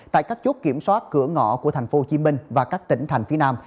tại các chốt kiểm soát cửa ngõ của thành phố hồ chí minh và các tỉnh thành phía nam